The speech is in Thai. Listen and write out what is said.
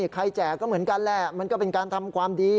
แจกก็เหมือนกันแหละมันก็เป็นการทำความดี